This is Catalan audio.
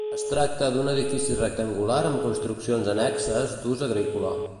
Es tracta d'un edifici rectangular amb construccions annexes d'ús agrícola.